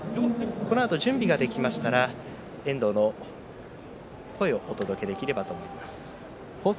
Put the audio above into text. このあと準備ができましたら遠藤の声をお届けできればと思い